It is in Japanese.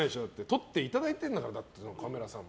撮っていただいてるんだからカメラさんに。